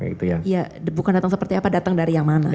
iya bukan datang seperti apa datang dari yang mana